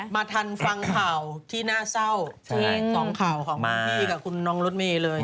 มาทันฟังข่าวที่น่าเศร้าสองข่าวของพี่กับคุณน้องรถเมย์เลย